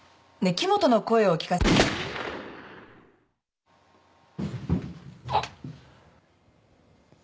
木元の声を聞かせて」あっ！？